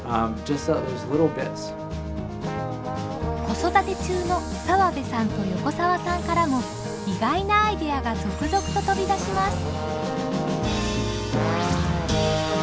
子育て中の澤部さんと横澤さんからも意外なアイデアが続々と飛び出します。